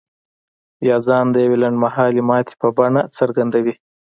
يا ځان د يوې لنډ مهالې ماتې په بڼه څرګندوي.